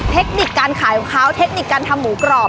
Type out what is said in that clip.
เทคนิคการขายของเขาเทคนิคการทำหมูกรอบ